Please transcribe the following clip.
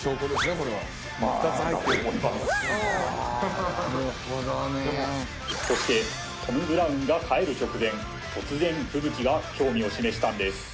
これはそしてトム・ブラウンが帰る直前突然フブキが興味を示したんです